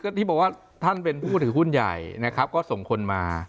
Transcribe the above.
ที่บอกว่าท่านเป็นผู้ถือหุ้นใหญ่นะครับก็ส่งคนมา